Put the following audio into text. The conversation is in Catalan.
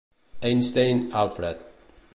Einstein, Alfred.